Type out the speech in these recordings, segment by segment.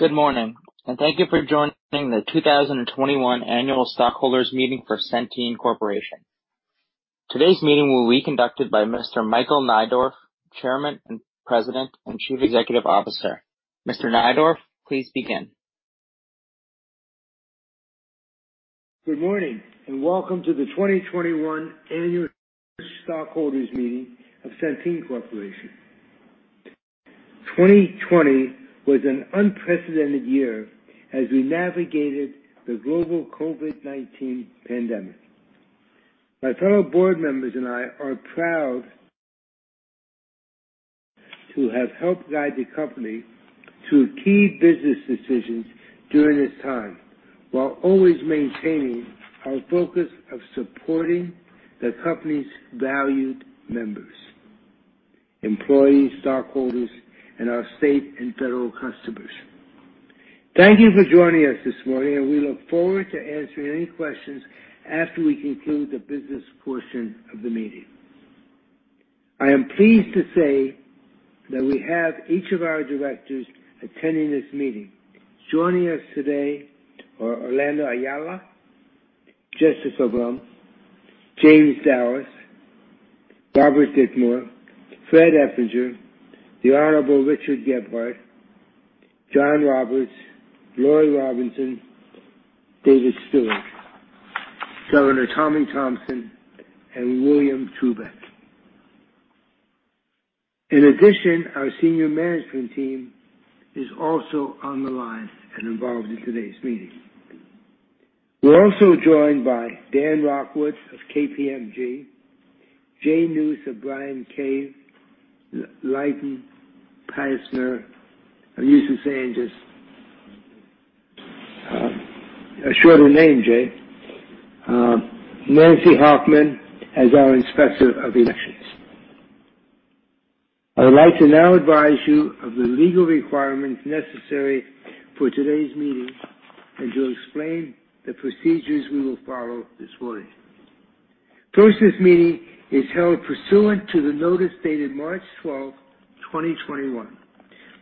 Good morning, and thank you for joining the 2021 annual stockholders meeting for Centene Corporation. Today's meeting will be conducted by Mr. Michael Neidorff, Chairman, President, and Chief Executive Officer. Mr. Neidorff, please begin. Good morning, and welcome to the 2021 annual stockholders meeting of Centene Corporation. 2020 was an unprecedented year as we navigated the global COVID-19 pandemic. My fellow board members and I are proud to have helped guide the company through key business decisions during this time, while always maintaining our focus of supporting the company's valued members, employees, stockholders, and our state and federal customers. Thank you for joining us this morning, and we look forward to answering any questions after we conclude the business portion of the meeting. I am pleased to say that we have each of our directors attending this meeting. Joining us today are Orlando Ayala, Jess Blume, James Dallas, Robert Ditmore, Fred Eppinger, The Honorable Richard Gephardt, John Roberts, Lori Robinson, David Steward, Governor Tommy Thompson, and William Trubeck. In addition, our senior management team is also on the line and involved in today's meeting. We're also joined by Dan Rockwood of KPMG, Jay Nouss of Bryan Cave Leighton Paisner of L.A. A shorter name, Jay. Nancy Hoffman as our Inspector of Elections. I would like to now advise you of the legal requirements necessary for today's meeting and to explain the procedures we will follow this morning. First, this meeting is held pursuant to the notice dated March 12th, 2021,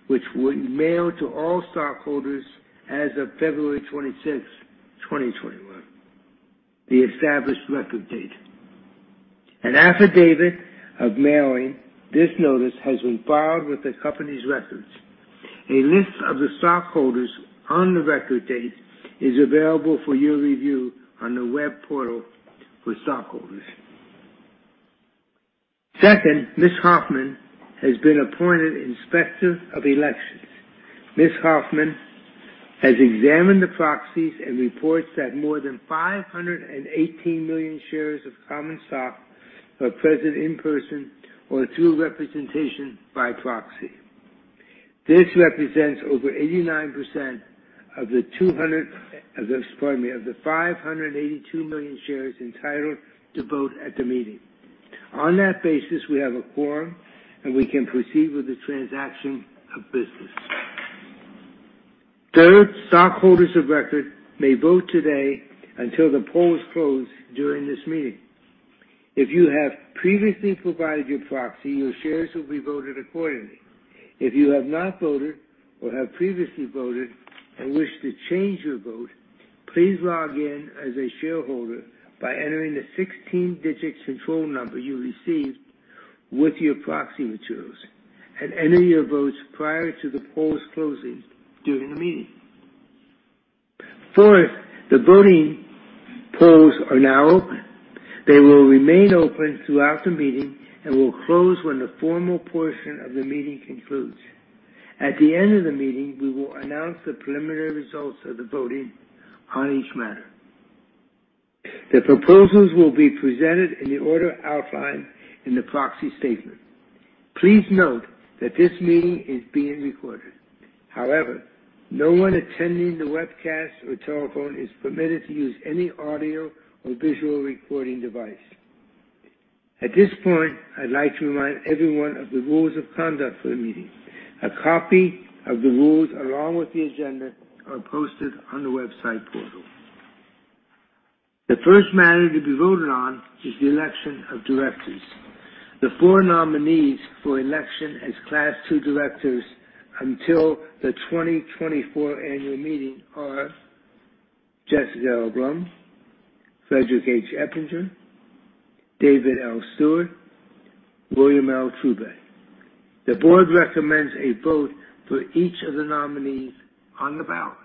which was mailed to all stockholders as of February 26th, 2021, the established record date. An affidavit of mailing this notice has been filed with the company's records. A list of the stockholders on the record date is available for your review on the web portal for stockholders. Second, Ms. Hoffman has been appointed Inspector of Elections. Ms. Hoffman has examined the proxies and reports that more than 518 million shares of common stock are present in person or through representation by proxy. This represents over 89% of the 582 million shares entitled to vote at the meeting. On that basis, we have a quorum, and we can proceed with the transaction of business. Third, stockholders of record may vote today until the polls close during this meeting. If you have previously provided your proxy, your shares will be voted accordingly. If you have not voted or have previously voted and wish to change your vote, please log in as a shareholder by entering the 16-digit control number you received with your proxy materials and enter your votes prior to the polls closing during the meeting. Fourth, the voting polls are now open. They will remain open throughout the meeting and will close when the formal portion of the meeting concludes. At the end of the meeting, we will announce the preliminary results of the voting on each matter. The proposals will be presented in the order outlined in the proxy statement. Please note that this meeting is being recorded. However, no one attending the webcast or telephone is permitted to use any audio or visual recording device. At this point, I'd like to remind everyone of the rules of conduct for the meeting. A copy of the rules, along with the agenda, are posted on the website portal. The first matter to be voted on is the election of directors. The four nominees for election as Class 2 directors until the 2024 annual meeting are Jessica L. Blume, Frederick H. Eppinger, David L. Steward, William L. Trubeck. The board recommends a vote for each of the nominees on the ballot.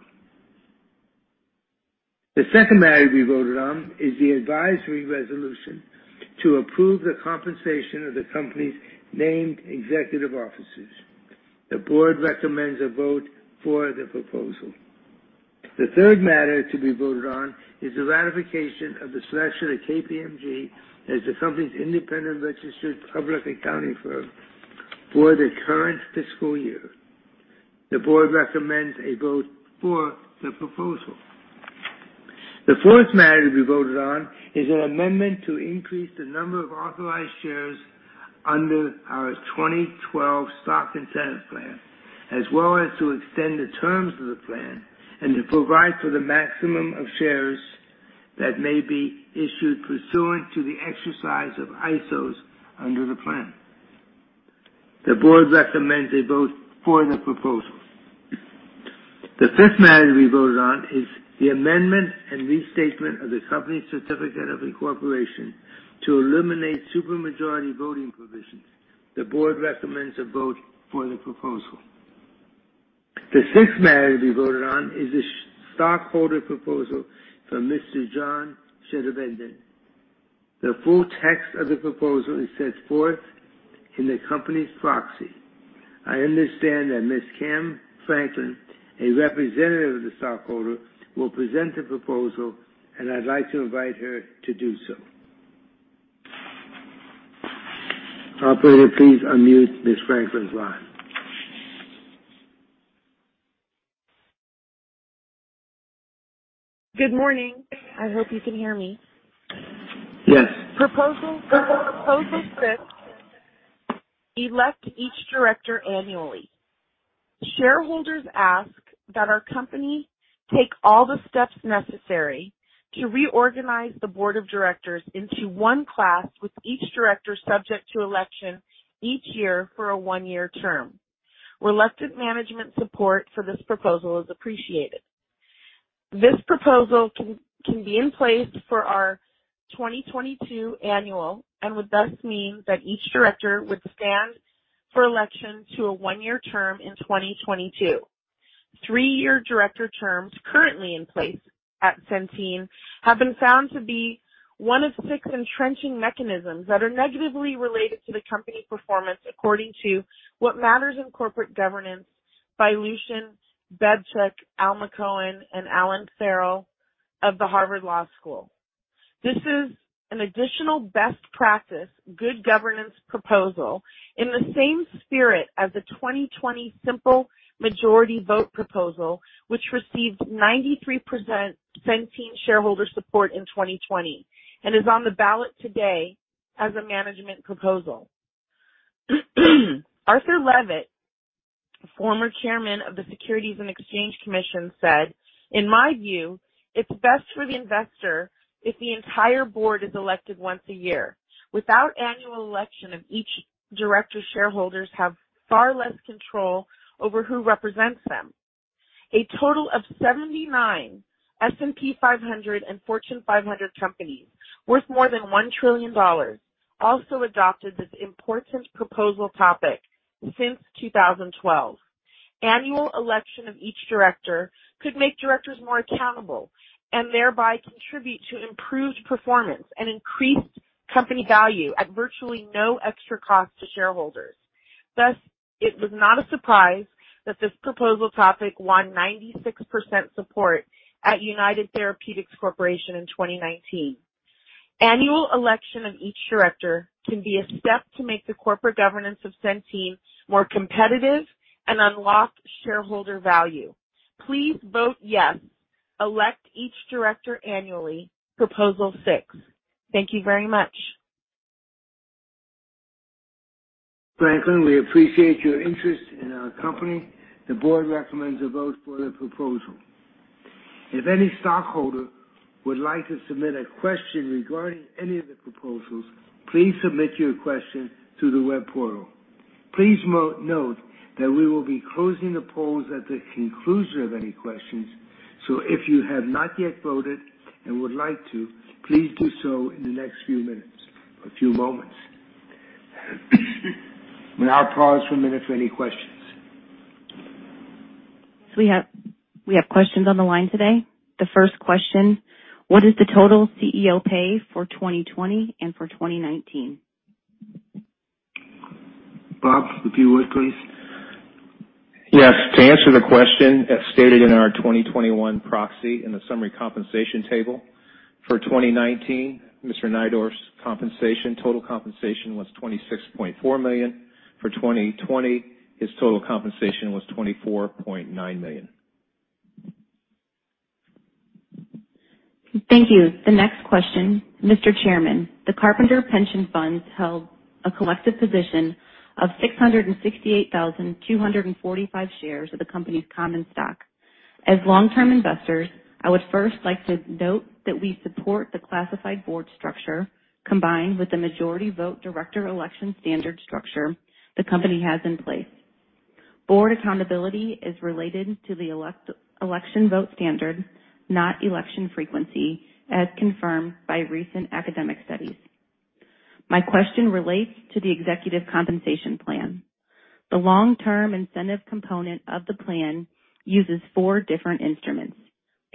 The second matter to be voted on is the advisory resolution to approve the compensation of the company's named executive officers. The board recommends a vote for the proposal. The third matter to be voted on is the ratification of the selection of KPMG as the company's independent registered public accounting firm for the current fiscal year. The board recommends a vote for the proposal. The fourth matter to be voted on is an amendment to increase the number of authorized shares under our 2012 stock incentive plan, as well as to extend the terms of the plan and to provide for the maximum of shares that may be issued pursuant to the exercise of ISOs under the plan. The board recommends a vote for the proposal. The fifth matter to be voted on is the amendment and restatement of the company's certificate of incorporation to eliminate super majority voting provisions. The board recommends a vote for the proposal. The sixth matter to be voted on is a stockholder proposal from Mr. John Chevedden. The full text of the proposal is set forth in the company's proxy. I understand that Ms. Kim Franklin, a representative of the stockholder, will present the proposal, and I'd like to invite her to do so. Operator, please unmute Ms. Franklin's line. Good morning. I hope you can hear me. Yes. Proposal six, elect each director annually. Shareholders ask that our company take all the steps necessary to reorganize the board of directors into one class, with each director subject to election each year for a one-year term. Reluctant management support for this proposal is appreciated. This proposal can be in place for our 2022 annual and would thus mean that each director would stand for election to a one-year term in 2022. Three-year director terms currently in place at Centene have been found to be one of six entrenching mechanisms that are negatively related to the company performance according to What Matters in Corporate Governance by Lucian Bebchuk, Alma Cohen, and Allen Ferrell of the Harvard Law School. This is an additional best practice good governance proposal in the same spirit as the 2020 simple majority vote proposal, which received 93% Centene shareholder support in 2020, and is on the ballot today as a management proposal. Arthur Levitt, former Chairman of the Securities and Exchange Commission, said, In my view, it's best for the investor if the entire board is elected once a year. Without annual election of each director, shareholders have far less control over who represents them. A total of 79 S&P 500 and Fortune 500 companies worth more than $1 trillion also adopted this important proposal topic since 2012. Annual election of each director could make directors more accountable and thereby contribute to improved performance and increased company value at virtually no extra cost to shareholders. Thus, it was not a surprise that this proposal topic won 96% support at United Therapeutics Corporation in 2019. Annual election of each director can be a step to make the corporate governance of Centene more competitive and unlock shareholder value. Please vote yes. Elect each director annually, proposal six. Thank you very much. Franklin, we appreciate your interest in our company. The board recommends a vote for the proposal. If any stockholder would like to submit a question regarding any of the proposals, please submit your question through the web portal. Please note that we will be closing the polls at the conclusion of any questions. If you have not yet voted and would like to, please do so in the next few minutes or few moments. We now pause for one minute for any questions. We have questions on the line today. The first question, what is the total CEO pay for 2020 and for 2019? Bob, if you would, please. Yes. To answer the question, as stated in our 2021 proxy in the summary compensation table, for 2019, Mr. Neidorff's total compensation was $26.4 million. For 2020, his total compensation was $24.9 million. Thank you. The next question. Mr. Chairman, the Carpenter Pension Funds held a collective position of 668,245 shares of the company's common stock. As long-term investors, I would first like to note that we support the classified board structure combined with the majority vote director election standard structure the company has in place. Board accountability is related to the election vote standard, not election frequency, as confirmed by recent academic studies. My question relates to the executive compensation plan. The long-term incentive component of the plan uses four different instruments,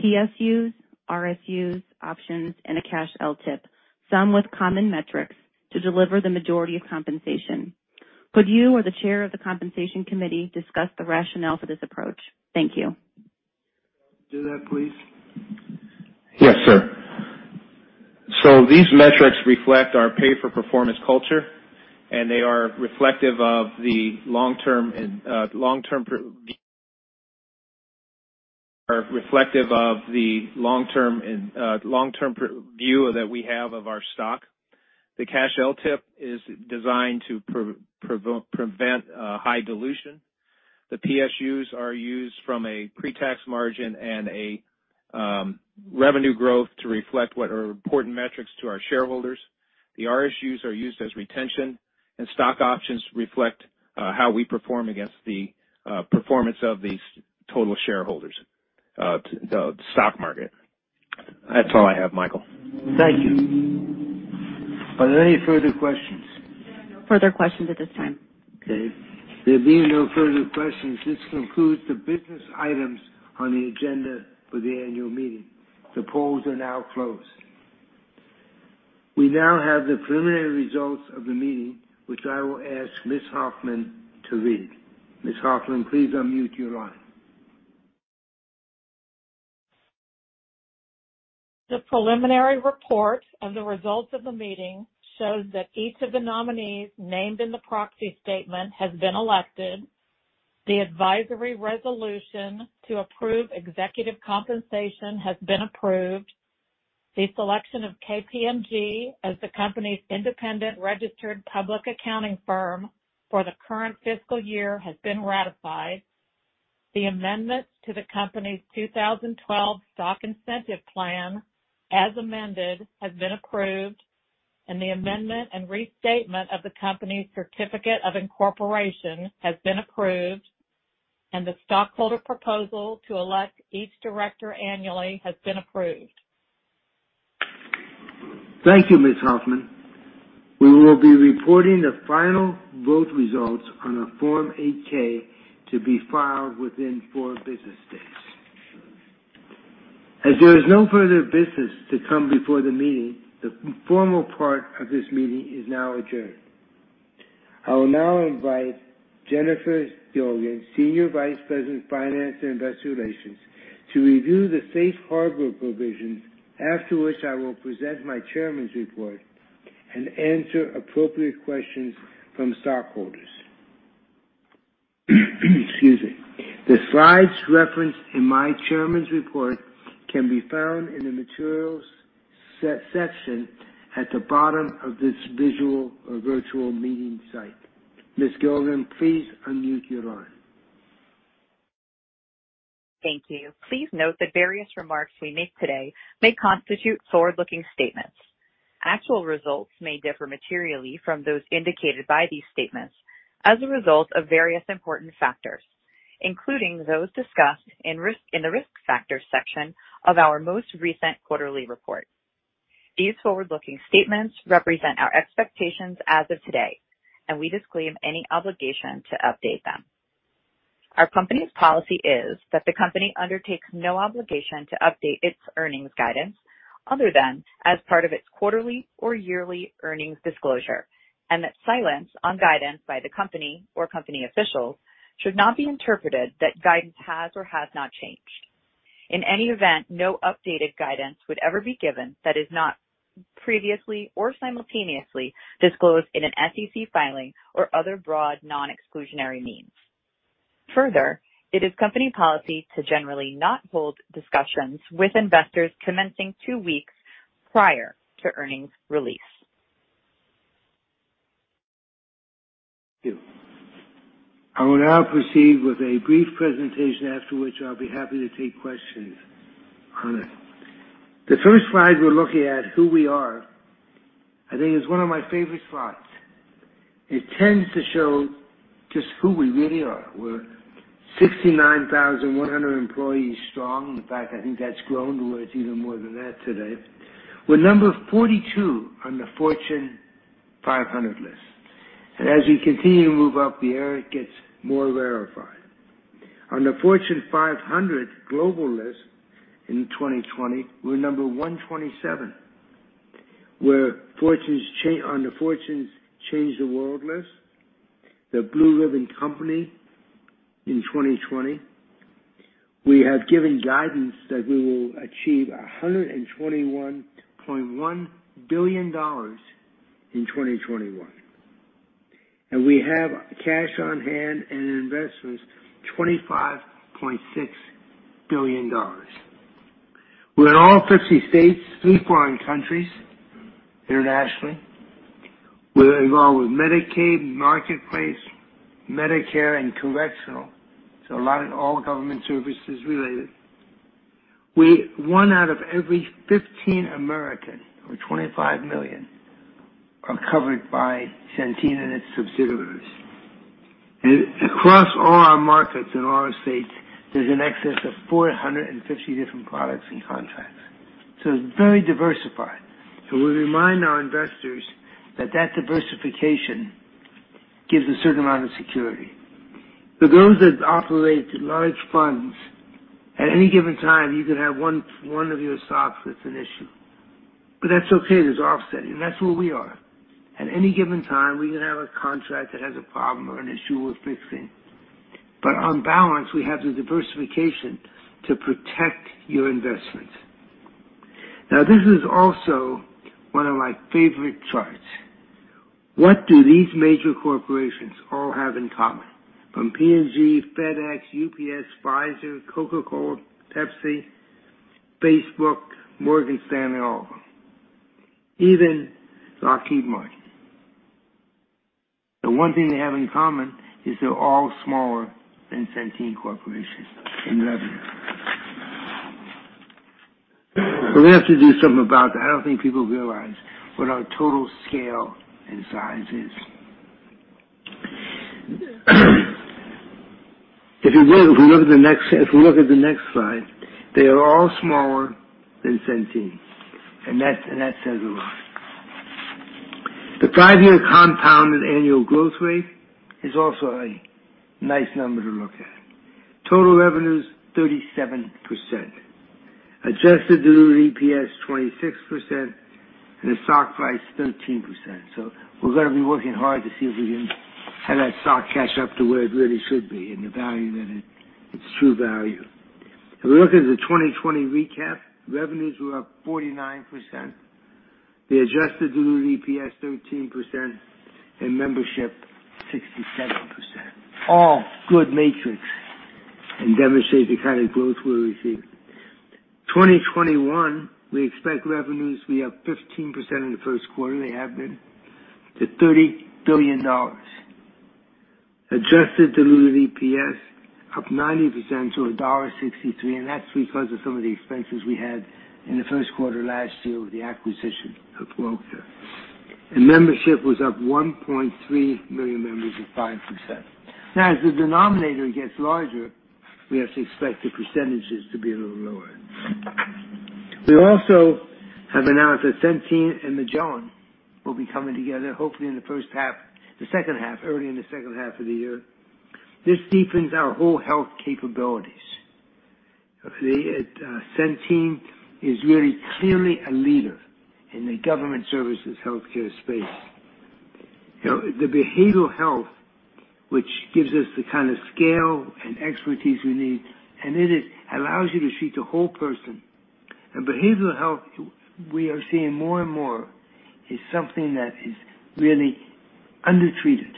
PSUs, RSUs, options, and a cash LTIP, some with common metrics to deliver the majority of compensation. Could you or the chair of the Compensation Committee discuss the rationale for this approach? Thank you. Do that, please. These metrics reflect our pay-for-performance culture, and they are reflective of the long-term view that we have of our stock. The cash LTIP is designed to prevent high dilution. The PSUs are used from a pre-tax margin and a revenue growth to reflect what are important metrics to our shareholders. The RSUs are used as retention, and stock options reflect how we perform against the performance of these total shareholders, the stock market. That's all I have, Michael. Thank you. Are there any further questions? Further questions at this time. Okay. There being no further questions, this concludes the business items on the agenda for the annual meeting. The polls are now closed. We now have the preliminary results of the meeting, which I will ask Ms. Hoffman to read. Ms. Hoffman, please unmute your line. The preliminary report of the results of the meeting shows that each of the nominees named in the proxy statement has been elected. The advisory resolution to approve executive compensation has been approved. The selection of KPMG as the company's independent registered public accounting firm for the current fiscal year has been ratified. The amendments to the company's 2012 stock incentive plan, as amended, have been approved, and the amendment and restatement of the company's certificate of incorporation has been approved, and the stockholder proposal to elect each director annually has been approved. Thank you, Ms. Hoffman. We will be reporting the final vote results on a Form 8-K to be filed within four business days. There is no further business to come before the meeting, the formal part of this meeting is now adjourned. I will now invite Jennifer Gilligan, Senior Vice President, Finance and Investor Relations, to review the safe harbor provisions, after which I will present my Chairman's report and answer appropriate questions from stockholders. Excuse me. The slides referenced in my Chairman's report can be found in the materials section at the bottom of this visual or virtual meeting site. Ms. Gilligan, please unmute your line. Thank you. Please note that various remarks we make today may constitute forward-looking statements. Actual results may differ materially from those indicated by these statements as a result of various important factors, including those discussed in the risk factors section of our most recent quarterly report. These forward-looking statements represent our expectations as of today, and we disclaim any obligation to update them. Our company's policy is that the company undertakes no obligation to update its earnings guidance other than as part of its quarterly or yearly earnings disclosure, and that silence on guidance by the company or company officials should not be interpreted that guidance has or has not changed. In any event, no updated guidance would ever be given that is not previously or simultaneously disclosed in an SEC filing or other broad non-exclusionary means. It is company policy to generally not hold discussions with investors commencing two weeks prior to earnings release. I will now proceed with a brief presentation, after which I'll be happy to take questions on it. The first slide we're looking at, who we are, I think is one of my favorite slides. It tends to show just who we really are. We're 69,100 employees strong. In fact, I think that's grown to where it's even more than that today. We're number 42 on the Fortune 500 list. As we continue to move up the air, it gets more verified. On the Fortune 500 global list in 2020, we're number 127. On the Fortune's Change the World list, the Blue Ribbon Company in 2020. We have given guidance that we will achieve $121.1 billion in 2021. We have cash on hand and investments, $25.6 billion. We're in all 50 states, three foreign countries internationally. We're involved with Medicaid, Marketplace, Medicare, and Correctional, so a lot of all government services related. One out of every 15 Americans, or 25 million, are covered by Centene and its subsidiaries. Across all our markets in all states, there's in excess of 450 different products and contracts. It's very diversified. We remind our investors that that diversification gives a certain amount of security. For those that operate large funds, at any given time, you can have one of your stocks that's an issue. That's okay, there's offsetting. That's where we are. At any given time, we can have a contract that has a problem or an issue worth fixing. On balance, we have the diversification to protect your investment. Now, this is also one of my favorite charts. What do these major corporations all have in common? From P&G, FedEx, UPS, Pfizer, Coca-Cola, Pepsi, Facebook, Morgan Stanley, all of them, even the [Arkeb] market. The one thing they have in common is they're all smaller than Centene Corporation in revenue. We're going to have to do something about that. I don't think people realize what our total scale and size is. If we look at the next slide, they are all smaller than Centene, and that says a lot. The five-year compounded annual growth rate is also a nice number to look at. Total revenues, 37%. Adjusted diluted EPS, 26%, and the stock price, 13%. We're going to be working hard to see if we can have that stock catch up to where it really should be in its true value. If we look at the 2020 recap, revenues were up 49%, the adjusted diluted EPS 13%, and membership 67%. All good metrics and demonstrate the kind of growth we received. 2021, we expect revenues to be up 15% in the first quarter, they have been, to $30 billion. Adjusted diluted EPS up 90% to $1.63, and that's because of some of the expenses we had in the first quarter last year with the acquisition of WellCare. Membership was up 1.3 million members at 5%. Now, as the denominator gets larger, we have to expect the percentages to be a little lower. We also have announced that Centene and Magellan will be coming together, hopefully early in the second half of the year. This deepens our whole health capabilities. Centene is really clearly a leader in the government services healthcare space. The behavioral health, which gives us the kind of scale and expertise we need, it allows you to treat the whole person. Behavioral health, we are seeing more and more, is something that is really undertreated.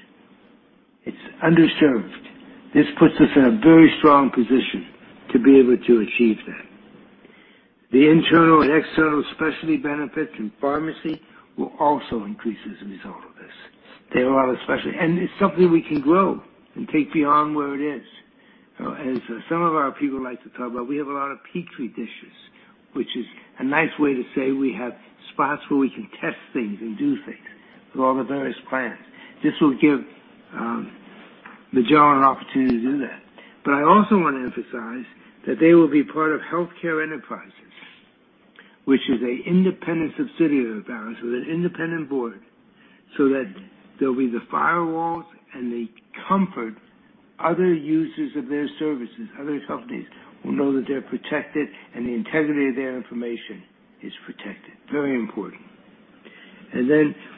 It's underserved. This puts us in a very strong position to be able to achieve that. The internal and external specialty benefits and pharmacy will also increase as a result of this. It's something we can grow and take beyond where it is. As some of our people like to talk about, we have a lot of Petri dishes, which is a nice way to say we have spots where we can test things and do things with all the various plans. This will give Magellan an opportunity to do that. I also want to emphasize that they will be part of Healthcare Enterprises, which is an independent subsidiary of ours with an independent board, so that there'll be the firewalls and the comfort other users of their services, other companies, will know that they're protected and the integrity of their information is protected. Very important.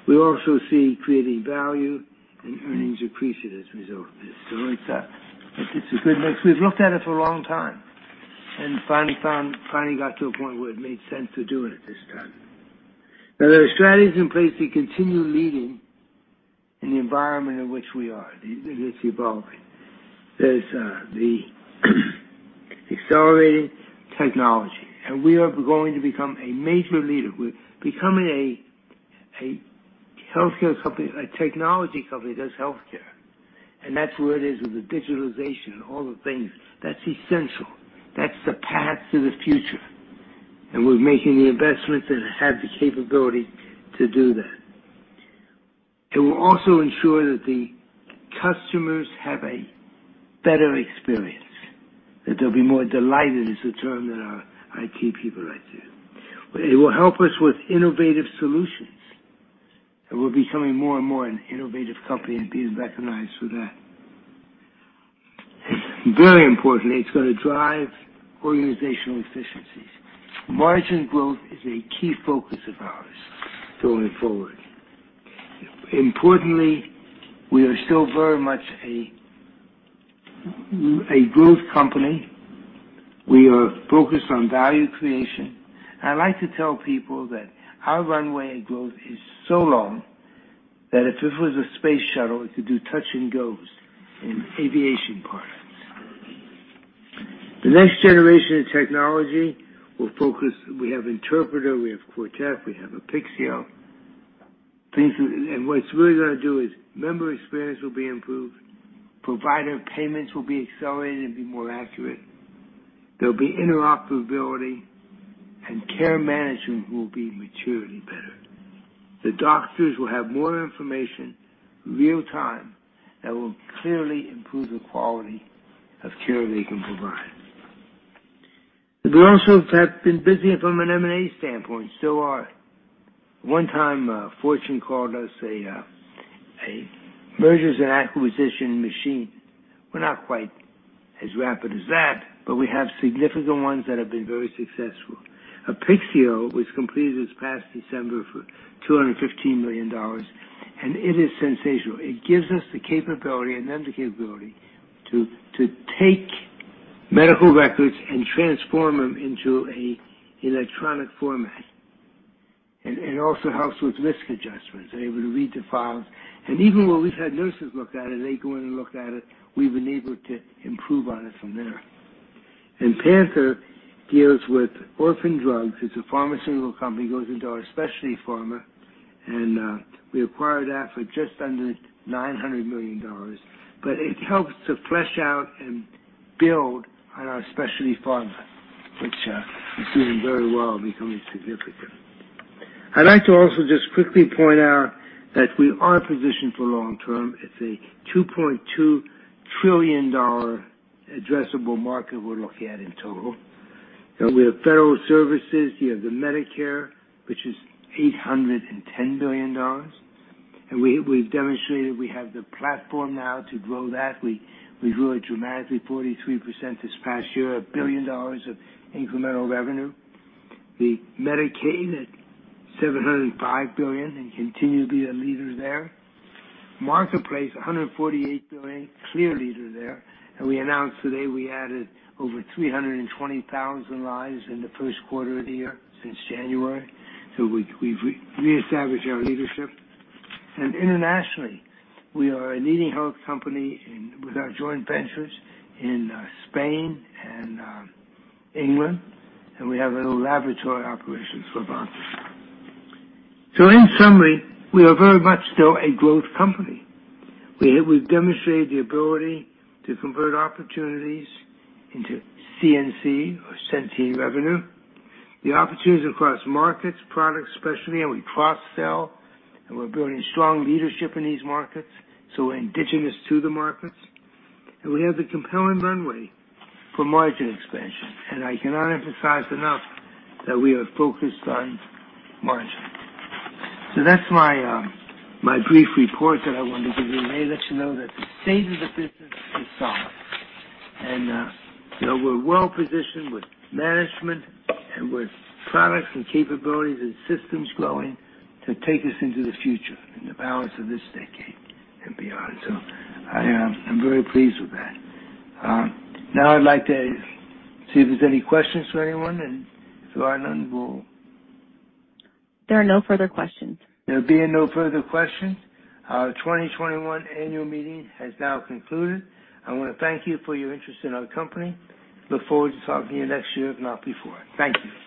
We also see creating value and earnings accretion as a result of this. It's a good mix. We've looked at it for a long time and finally got to a point where it made sense to do it at this time. There are strategies in place to continue leading in the environment in which we are. It's evolving. There's the accelerated technology, and we are going to become a major leader. We're becoming a technology company that does healthcare. That's where it is with the digitalization and all the things. That's essential. That's the path to the future. We're making the investments and have the capability to do that. It will also ensure that the customers have a better experience, that they'll be more delighted, is the term that our IT people like to use. It will help us with innovative solutions, and we're becoming more and more an innovative company and being recognized for that. Very importantly, it's going to drive organizational efficiencies. Margin growth is a key focus of ours going forward. Importantly, we are still very much a growth company. We are focused on value creation. I like to tell people that our runway of growth is so long that if this was a space shuttle, it could do touch and goes in aviation parts. The next generation of technology will focus. We have Interpreta, we have Quartet, we have Apixio. What it's really going to do is, member experience will be improved, provider payments will be accelerated and be more accurate. There'll be interoperability, and care management will be materially better. The doctors will have more information, real time, that will clearly improve the quality of care they can provide. We also have been busy from an M&A standpoint, still are. One time, Fortune called us a mergers and acquisition machine. We're not quite as rapid as that, but we have significant ones that have been very successful. Apixio was completed this past December for $215 million, and it is sensational. It gives us the capability, and them the capability, to take medical records and transform them into an electronic format. It also helps with risk adjustments. They're able to read the files. Even when we've had nurses look at it, they go in and look at it, we've been able to improve on it from there. PANTHERx Rare deals with orphan drugs. It's a pharmaceutical company, goes into our specialty pharma, and we acquired that for just under $900 million. It helps to flesh out and build on our specialty pharma, which is doing very well, becoming significant. I'd like to also just quickly point out that we are positioned for long term. It's a $2.2 trillion addressable market we're looking at in total. We have federal services, you have the Medicare, which is $810 billion. We've demonstrated we have the platform now to grow that. We grew it dramatically, 43% this past year, $1 billion of incremental revenue. The Medicaid at $705 billion, continue to be a leader there. Marketplace, $148 billion, clear leader there. We announced today we added over 320,000 lives in the first quarter of the year since January. We've reestablished our leadership. Internationally, we are a leading health company with our joint ventures in Spain and England, and we have little laboratory operations for. In summary, we are very much still a growth company. We've demonstrated the ability to convert opportunities into CNC or Centene revenue. The opportunities across markets, products, specialty, we cross-sell, we're building strong leadership in these markets, we're indigenous to the markets. We have the compelling runway for margin expansion, and I cannot emphasize enough that we are focused on margin. That's my brief report that I wanted to give you today. Let you know that the state of the business is solid. We're well-positioned with management and with products and capabilities and systems growing to take us into the future in the balance of this decade and beyond. I'm very pleased with that. I'd like to see if there's any questions for anyone, and if there are none, we'll. There are no further questions. There being no further questions, our 2021 annual meeting has now concluded. I want to thank you for your interest in our company. Look forward to talking to you next year, if not before. Thank you.